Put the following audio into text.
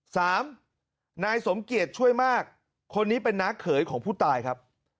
สามนายสมเกียจช่วยมากคนนี้เป็นน้าเขยของผู้ตายครับ